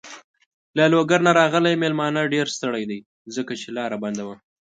له لوګر نه راغلی مېلمانه ډېر ستړی دی. ځکه چې لاره بنده وه.